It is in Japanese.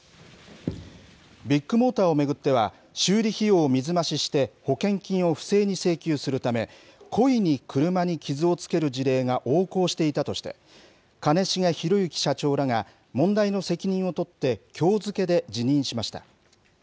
ビッグモーターを巡っては、修理費用を水増しして保険金を不正に請求するため、故意に車に傷をつける事例が横行していたとして、兼重宏行社長らが、問題の責任を取って、きょう付けで辞任しました。